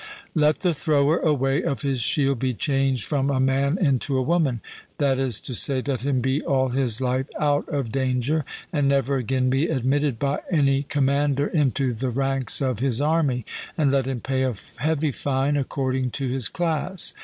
Let the thrower away of his shield be changed from a man into a woman that is to say, let him be all his life out of danger, and never again be admitted by any commander into the ranks of his army; and let him pay a heavy fine according to his class.